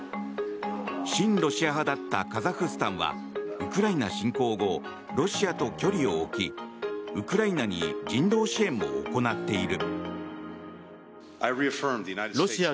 親ロシア派だったカザフスタンはウクライナ侵攻後ロシアと距離を置きウクライナに人道支援も行っている。